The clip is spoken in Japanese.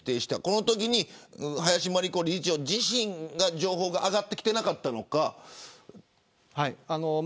このときに林真理子理事長に情報が上がっていなかったのか。